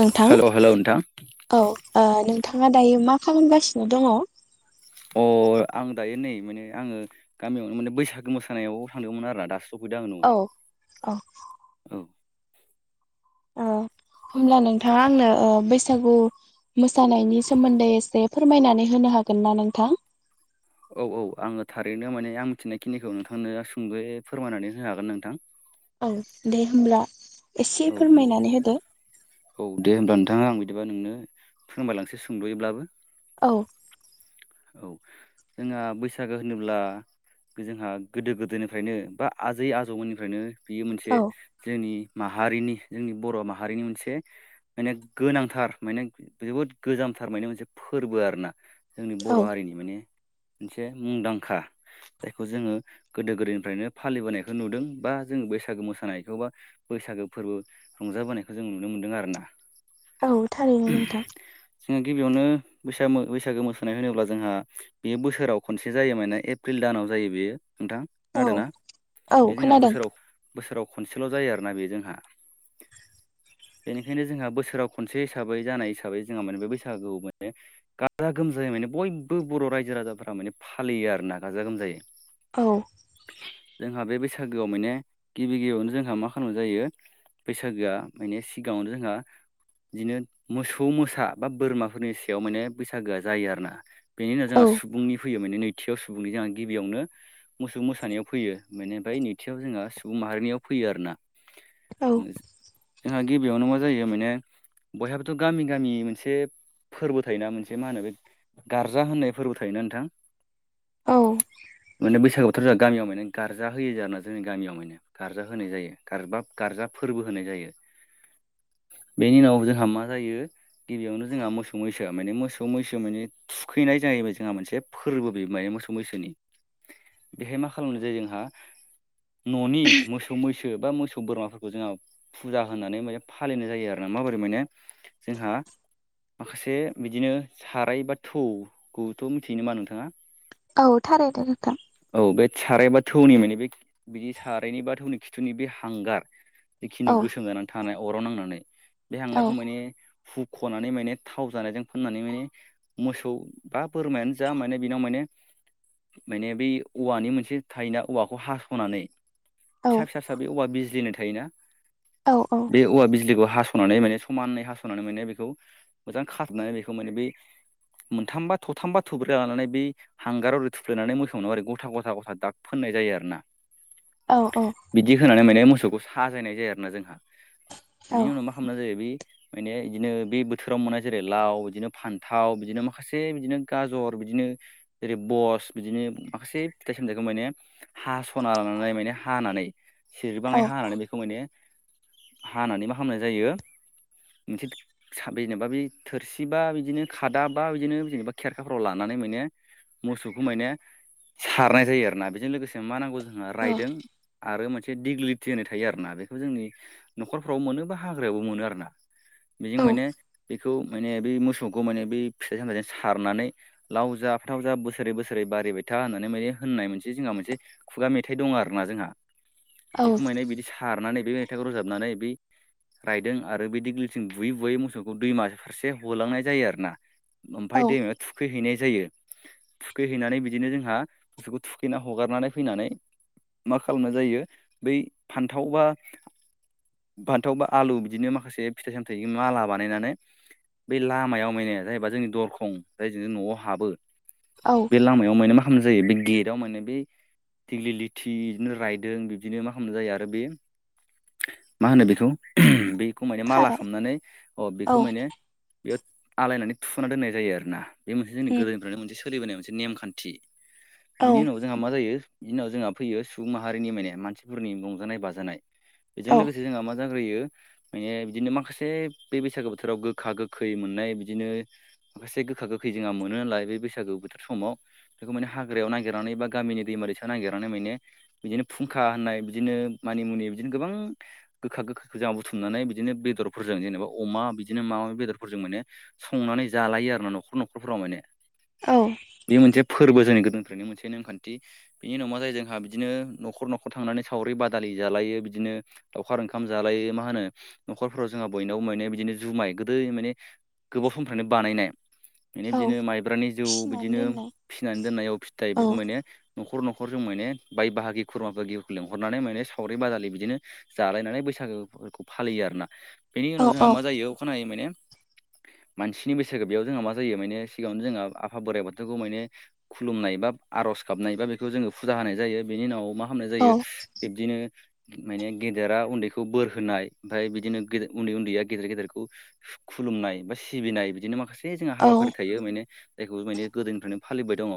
नोंथां hello hello नोंथां औ ओ नोंथां थाङा दायो मा खालामगासिनो दङ। अ आं दायो नै माने आङो गामियावनो माने बैसागो मोसानायाव थांदोंमोन आरो ना दा सौफैद आं न'आव औ औ [unintelligible] ओ होमब्ला नोंथाङा आंनो ऐ बैसागु मोसा मोसानायनि सोमोन्दै एसे फोरमायनानै होनो हागोन ना नोंथां। औ औ आङो थारैनो माने आं मिथिनायखिनिखौ नोंथांनो सुंदयै फोरमायनानै होनो हागोन नोंथां। औ दे होमब्ला एसे औ बिदि फोरमायनानै होदो। औ दे होब्ला नोंथाङा आं बिदि बिदिबा नोंनो फोरमायलांसै सोंद'यैब्लाबो औ। औ जोंहा बैसागो होनोब्ला जोंहा गोदो गोदोनिफ्रायनो बा आजै आजौमोननिफ्रायनो बियो मोनसे औ जोंनि माहारिनि जोंनि बर' माहारिनि मोनसे माने गोनांथार माने जोबोद गोजाम थार मोनाय मोनसे फोरबो आरो ना जोंनि औ बर' हारिनि माने मोनसे मुंदांखा जायखौ जोङो गोदो गोदायनिफ्रायनो फालिबोनायखौ नुदों बा जों बैसागो मोसानायखौ बा बैसागो फोरबो रंजाबोनायखौ जों नुनो मोनदों आरोना। औ थारैनो नोंथां। जोंहा गिबियावनो बैसागो मो बैसागो मोस होनाय होनोब्ला जोंहा बेयो बोसोराव खनसे जायो माने एप्रिल दानाव जायो बेयो माने नोंथां औ नादोंना औ बे जोंहा खोनादों बोसोराव बोसोराव खनसेल' जायो आरोना बे जोंहा बेनिखायनो जोंहा बोसोराव खनसे हिसाबै जानाय हिसाबै जोंहा माने बे बैसागु माने गाजा गोमजा जायै माने बयबो बर' रायजो राजाफ्रा माने फालियो आरो ना गाजा गोमजायै औ। जोंहा बे बैसागोआव माने गिबि गिबियावनो जोंहा मा खालामनाय जायो बैसागोआ माने सिगाङावनो जोंहा बिदिनो मोसौ मोसा बा बोरमाफोरनि सायाव माने बैसागोआ जायो आरोना बेनिनो औ जोंहा सुबुंनि फैयो माने नैथियाव सुबुंनि जोंहा गिबियावनो मोसौ मोसानायाव फैयो माने बिनिफ्राय नै जों सुबुं माहारिनियाव फैयो आरोना औ जोंहा गिबियावनो मा जायो माने बयहाबोथ' गामि गामि मोनसे फोरबो थायोना मोनसे मा होनो बे गारजा होननाय फोरबो थायोना नोंथां औ माने बैसागो बोथोर जागोन गामियाव माने गारजा होयो जोना जोंनि गामियाव माने गारजा होनाय जायो गारबा गारजा फोरबो होनाय जायो। [inaudible] बेनि उनाव जोंहा मा जायो गिबियावनो जोंहा मोसौ मैसोआ माने मोसौ मैसो माने थुखैनाय जाहैबाय जोंहा मोनसे फोरबो बे माने मोसौ मैसोनि बेहाय मा खालामनाय जायो जोंहा न'नि मोसौ मैसो बा मोसौ बोरमाफोरखौ जोंहा फुजा होनानै माने फालिनाय जायो आरो ना माबोरै माने जोंहा माखासे बिदिनो साराय बा थौ खौथ' मिथियो नामा नोंथाङा? औ थारैनो नोंथां। औ बे साराय बा थौनि माने बे बिदि सारायनि बा थौनि खिथुनि बे हांगार औ बेखिनियाव गोसोम जानानै थानाय अराव नांनानै बे औ हांगारखौ माने हुख'नानै माने थाव जानायजों फोननानै माने मोसौ बा बोरमायानो जा माने बेनाव माने माने बै औवानि मोनसे थायोना औवाखौ हास'नानै औ फिसा फिसासा बे औवा बिजलि थायोना औ औ बे औवा बिजलिखौ हास' नानै माने समानै हास'नानै माने बेखौ मोजां खाथनानै बेखौ माने बे [inaudible] मोनथामबा थथामबा थब्रै लानानै बै हांगाराव एरै थुफ्लेनानै मोसौनो ओरै गथा गथा गथा दाग फोननाय जायो। बिदि आरोना औ बिदि होनानै माने मोसौखौ साजायनाय जायो आरोना जोंहा। औ बिनि उनाव मा खालामनाय जायो बे माने बिदिनो बे बोथोराव मोननाय जेरै लाव बिदिनो फान थाव बिदिनो माखासे बिदिनो गाजर बिदिनो जेरै बस बिदिनो माखासे फिथाइ सामथाइखौ माने हासना लानानै माने हानानै सेरबाङै औ हानानै बेखौ माने हानानै मा खामनाय जायो? मोनसे जेनेबा बे थोरसिबा बिदिनो खादा बा बिदिनो जेनेबा खेरखाफोराव लानानै माने मोसौखौ माने सारनाय जायो आरोना बेजों लोगोसे मा नांगौ जोंहा रायदों आरो मोन से दिगलिथि होनाय थायो आरोना बेखौ जोंनि न'खरफ्राव मोनो बा हाग्रायावबो मोनो आरो ना। बेजों माने बेखौ माने बे मोसौ बेखौ माने बे फिथाइ सामथाइजों सारनानै लाव जा थाव जा बोसोरै बोसोरै बारिबाय था होननानै माने नाय मोनसे जोंहा मोनसे खुगा मेथाइ दं आरो ना जोंहा औ बेखौ माने बिदि सारनानै बे मेथाइखौ रोजाबनानै बै रायदों आरो बे दिग्लिलिथिजों बुयै बुयै मोसौखौ दैमा फारसे होलांनाय जायो आरोना औ ओमफ्राय दैमायाव थुखैहैनाय जायो। थुखैहैनानै बिदिनो जोंहा मोसौखौ थुखैना हगारनानै फैनानै मा खालामनाय जायो बै फान्थाव बा फान्थाव बा आलु बिदिनो माखासे फिथाइ सामथाय माला बानायनानै बे लामायाव [unintelligible] जोंनि दरखं जाय न'आव हाबो औ बे लामायाव माने मा खामनाय जायो बे गेटाव माने बे दिग्लि लिथि बिदिनो रायदों बिदिनो मा खालामनाय जायो आरो बे मा होनो बेखौ बे खौ माने माला थारै खालामनानै अ औ बेखौ माने बेयाव आलायनानै थुना दोननाय जायो आरोना। बे मोनसे जोंनि उम गोदोनिफ्रायनो मोनसे सोलिबोनाय मोनसे नेमखानथि औ बिनि उनाव जोंहा मा जायो बिनि उनाव जोंहा फैयो सुबुं माहारिनि माने मानसिफोरनि रंजानाय बाजानाय। बेजों औ लोगोसे जोंहा मा जाग्रोयो माने बिदिनो माखासे बे बैसागो बोथोराव गोखा गोखै मोननाय बि बिदिनो माखासे गोखा गोखै जोंहा मोनो नालाय बे बैसागु बोथोर समाव बेखौ माने हाग्रायाव नागिरनानै बा गामिनि दैमा दैसा नागिरनानै माने बिदिनो फुंखा होननाय बिदिनो मानि मुनि बिदिनो गोबां गोखा गोखाखौ जों बुथुमनानै बिदिनो बेदरफोरजों जेनेबा अमा बिदिनो मा मा बेदरफोरजों माने संनानै जालायो आर ना न'खर न'खरफोराव माने औ बे मोनसे फोरबो जोंनि गोदों मोनसे नेमखान्थि बिनि उनाव मा जायो जोंहा बिदिनो न'खर न'खर थांनानै सावरि बादालि जालायो बिदिनो लावखार ओंखाम जालायो मा होनो न'खरफोराव जोंहा बयनावबो माने बिदिनो जुमाय गोदै माने गोबाव समनिनो बानायनाय औ बिदिनो माइब्रानि जौ फिसिनानै बिदिनो दोननाय फिसिनानै दोननायाव फिथाइ औ बेफोरखौ मानो न'खर न'खर जों माने बाय बाहागि खुरमाफोरखौ लेंहरनानै माने सावरि बादालि बिदिनो जालायनानै बैसागो बैसागोखौ फालियो आरोना बेनि औ उनाव औ जोंहा मा जायो अखानायैनो मानसिनि बैसागो बेयाव जोंहा मा जायो माने सिगाङावनो जोंहा आफा बोराइ बाथौखौ खुुलुमनाय आर'ज गाबनाय एबा बेखौ जोङो फुजा होनाय जायो बेनि उनाव मा खालामनाय औ जायो बिब्दिनो माने गेदेरा उन्दैखौ बोर होनाय ओमफ्राय बिदिनो उन्दै उन्दैया गेदेर गेदेरखौ खुलुमनाय सिबिनाय बिदिनो माखासे जोंहा औ हाबाफारि थायो माने जायखौ गोदोनिफ्रायनो फालिबाय दं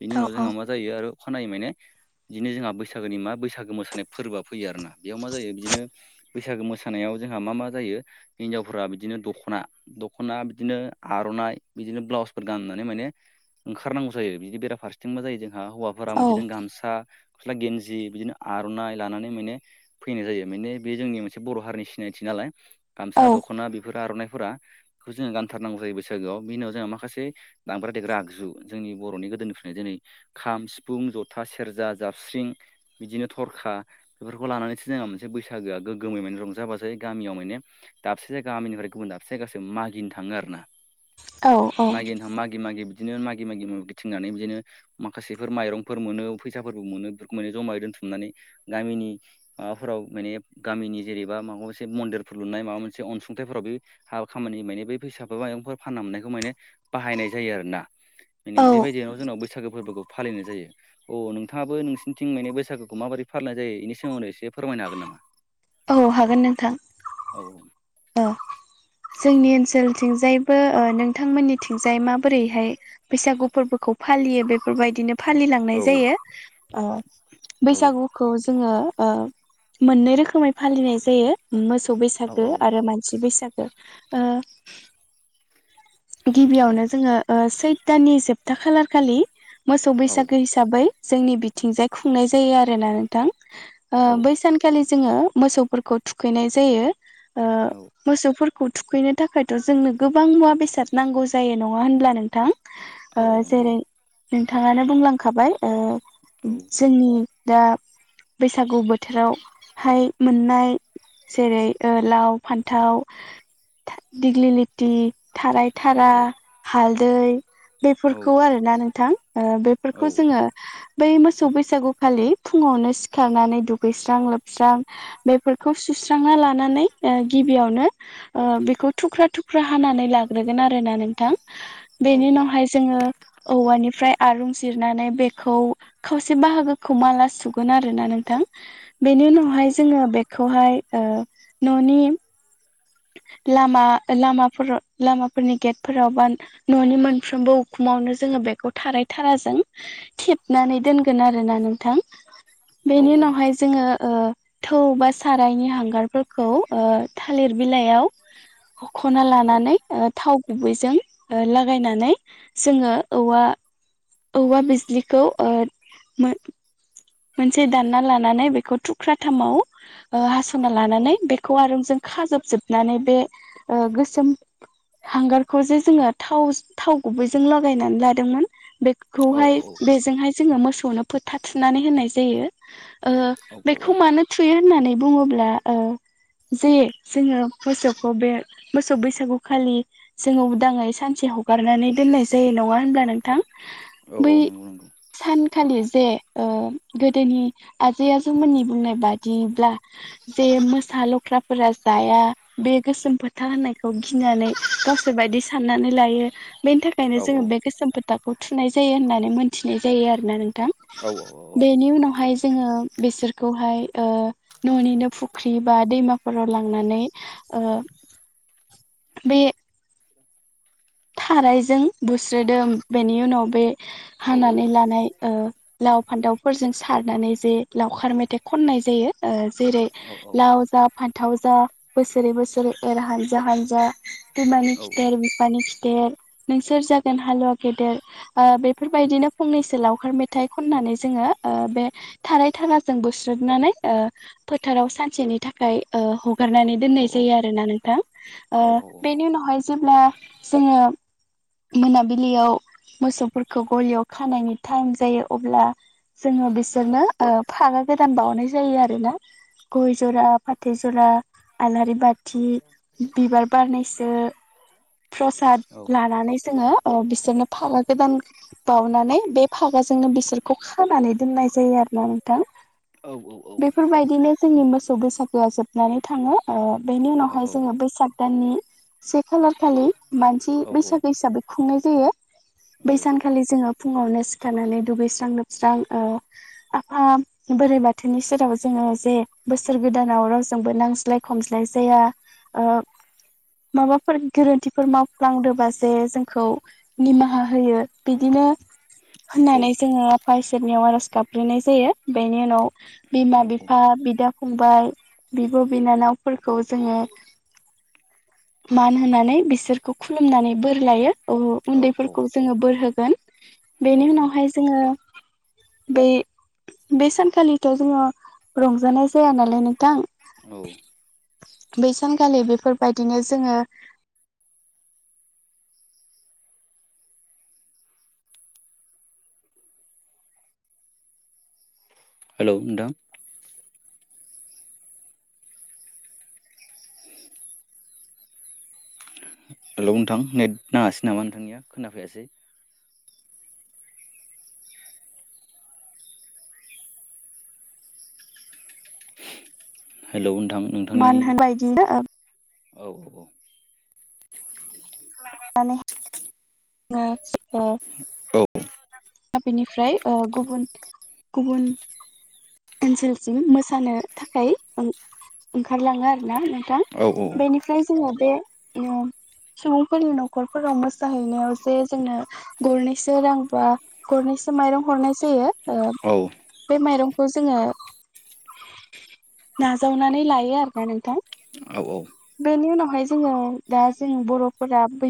बेनि उनाव जोंहा मा जायो आरो खानाय माने बिदिनो जोंहा बैसागोनि मा बैसागो मोसानाय फोरबोआ फैयो आरोना बेयाव मा जायो बिदिनो बैसागो मोसानायाव जोंहा मा मा जायो हिनजावफोरा बिदिनो दख'ना दख'ना बिदिनो आर'नाइ बिदिनो ब्लाउसफोर गाननानै माने ओंखारनांगौ जायो बिदि बेराफारसेथिं मा जायो जोंहा हौवाफोरा औ बिदिनो गामसा गस्ला गन्जि बिदिनो आर'नाइ लानानै माने फैनाय जायो माने बे जोंनि मोनसे बर' हारिनि सिनायथिनाय नालाय औ गामसा दख'ना बेफोर आर'नाइफोरा बेखौ जोङो गानथारनांगौ जायो बैसागोआव बे उनाव जोङो माखासे दामग्रा देग्रा आगजु जोंनि बर'नि गोदोनिफ्रायनो जेरै खाम सिफुं जथा सेरजा जाबस्रिं बिदिनो थरखा बेफोरखौ लानानैसो जोंहा मोनसे बैसागोआ गोग्गोमै माने रंजा बाजै गामियाव माने दाबसेगामिनिफ्राय गुबुन दाबसे गासै मागिनो थाङो आरो ना औ मागिनो थाङो मागि मागि बिदि बिदिनो मागि मागि माबि गिथिंनानै बिदिनो माखासेफोर माइरंफोर मोनो फैसाफोरबो मोनो मोन जमायै दोन बुथुमनानै गामिनि माबाफोराव माने गामिनि जेनेबा माबा मोनसे मन्दिरफोर लुनाय माबा मोनसे अनसुंथाइफोराव बे हाबा खामानि माने बे फैसाफोर मायरंफोर फाननायनै बाहायनाय जायो आरोना माने बेबायदिनोाव जोंनाव बैसागो फोरबोखौ फालिनाय जायो औ नोंथाङाबो नोंसिनिथिं माने बैसागोखौ माबोरै फालिनाय जायो बेनि सोमोनावनो एसे फोरमायनो हागोन नामा औ हागोन नोंथां औ औ जोंनि ओनसोलथिंजायबो नोंथांमोननिथिंजाय माबोरैहाय बैसागु फोरबोखौ फालि फालियो बेफोरबायदिनो फालिनाय औ जायो औ बैसागुखौ जो मोननै रोखोमै फालिनाय जायो मोसोव मोसौ औ बैसागो आरो मानसि बैसागो गिबियावनो जोङो सैथ्रनि जोबथा खालार खालि मोसौ औ बैसागो हिसाबै जोंनि बिथिंजाय खुंनाय जायो आरोना नोंथां औ बै सानखालि जोङो मोसौफोरखौ थुखैनाय जायो औ मोसौफोरखौ मोसौफोरखौ थुखैनो थाखायथ' जोंनो गोबां मुवा बेसाद नांगौ जायो नङा होनब्ला नोंथां औ औ जेरै नंगौ नोंथाङानो बुंलांखाबाय जोंनि दा बैसागु बोथोरावहाय मोननाय जेरै लाव फान्थाव दिग्लि लथि थाराय औ थारा औ हालदै औ बेफोरखौ आरोना नोंथां औ बेफोरखौ जोङो बै मोसौ बैसागुखालि फुङावनो सिखारनानै दुगैस्रां लोबस्रां बेफोरखौ सुस्रांना लानानै ओ गिबियावनो बेखौ थुख्रा थुख्रा हानानै लाग्रोगोन आरोना नोंथां औ बेनि औ उनावहाय जोङो औवानिफ्राय दिरुं जिरनानै बेखौ खावसे बाहागोखौ माला सुगोन आरोना नोंथां बेनि उनावहाय औ जोङो बेखौहाय ‌ओ‌ न'नि लामा लामाफोराव लामाफोरनि गेटफोरावबा न'नि मोनफ्रोमबो उखुमाव जोङो बेखौ थाराय थाराजों थेबनानै दोनगोन आरोना नोंथां औ बेनि उनावहाय जोङो ओ थौ बा सारायनि हांगारफोरखौ ओ थालिर बिलाइयाव हख'ना लानानै ओ थाव गुबैजों लागायनानै जोङो औवा औवा बिजलिखौ ओ मोनसे दानना लानानै बेखौ थुख्राथामाव ओ हास'ना लानानै बेखौ आरो जों खाजोबजोबनानै बे ओ गोसोम हांगारखौ जे जोङो थाव थाव गुबैजों लागायनानै लादोंमोन औ बेखौहाय बेजोंहाय जोङो मोसौनो फोथा थुनानै होननाय जायो ओ औ बेखौ मानो थुयो होननानै बुङोब्ला ओ जे जोङो मोसौखौ बे मोसौ बैसागुखालि जोङो उदाङै सानसे हगारनानै दोननाय जायो नङा होनब्ला नोंथां औ औ नंगौ नंगौ खालि जे ओ गोदोनि आजै आजौमोननि बुंनाय बादिब्ला जे मोसा लख्राफोरा जाया बे गोसोम फोथा होनायखौ गिनानै गावसोर बायदि साननानै लायो बेनि औ थाखायनो जोङो बे गोसोम फोथा खौ थुनाय जायो होननानै मोनथिनाय जायो आरोना नोंथां औ औ बेनि उनावहाय जोङो बेसोरखौहाय‌ ओ न'निनो फुख्रि बा दैमाफोराव लांनानै ‌ओ बे थारायजों बुस्रोदों बेनि उनाव बे औ हानानै लानाय ओ लाव फान्थावफोरजों सारनानै जे लावखार मेथाइ खननाय जायो ओ जेरै औ लाव जा फान्थाव जा बोसोरै बोसोरै एर हानजा हानजा बिमानि औ खिथेर बिफानि खिथेर नोंसोर जागोन हालुवा गेदेर ओ बेफोरबायदिनो फंनैसो लावखार मेथाइ खननानै जोंओ ओ‌ बे थाराय थाराजों बुस्रोदनानै ओ फोथाराव सानसेनि थाखाय ओ हगारनानै दोननाय जायो आरोना नोंथां ओ बेनि उनावहाय जेब्ला जोङो मोनाबिलियाव मोसौफोरखौ गलियाव खानायनि टाइम जायो अब्ला जोङो बिसोरनो ओ फागा गोदान बावनाय जायो आरोना गय जरा फाथै जरा आलारि बाथि बिबार बारनैसो प्रसाद लानानै जोङो ओ बिसोरनो फागा गोदान बाउनानै बे फागाजोंनो बिसोरखौ खानानै दोननाय जायो आरोना नोंथां औ बेफोरबायदिनो जोंनि मोसौ बैसागोआ जोबनानै थाङो ओ बेनि औ उनावहाय जोङो बैसाग दाननि से खालार खालि मानसि बैसागो हिसाबै खुंनाय जायो बै सानखालि जोङो फुङावनो सिखारनानै दुगैस्रां लोबस्रां ओ आफा बोराइ बाथौनि सेराव जोङो जे बोसोर गोदानाव रावजोंबो नांज्लाय खमज्लाय जाया ओ माबाफोर गोरोन्थि फोर मावफ्लांदोबा जे जोंखौ निमाहा होयो बिदिनो होननानै जोङो आफा इसोरनियाव आरज गाबग्रोनाय जायो बेनि उनाव बिमा बिफा बिदा फंबाय बिब' बिनानावफोरखौ जोङो मान होनानै बिसो सोरखौ खुलुमनानै बोर लायो अ उन्दैफोरखौ जोङो बोर होगोन बेनि उनावहाय जोङो बै बे सानखालिथ' जोङो रंजानाय जाया नालाय नोंथां औ बै सानखालि बेफोरबायदिनो जोङो हेलौ नोंथां हेलौ नोंथां नेट नाङासै नामा नोंथांनिया खोनाफैयासै। हेलौ नोंथांनि मान [unintelligible] बे बायदिनो ओ औ औ औ माने ओ औ बेनिफ्राय ओ गुबुन गुबुन ओनसोलसिम मोसानो थाखाय ओं-ओंखारलाङो आरोना नों थां औ बेनिफ्राय जोङो बे उम सुबुंफोरनि न'खरफोराव मोसाहैनायाव जे जोंनो गरनैसो सोरांबा गरनैसो माइरं हरनाय जायो। ओ औ बे माइरं खौ जोङो नाजावनानै लायो आरोना नोंथां। औ औ बेनि उनावहाय जोङो दा जों बर'फोरा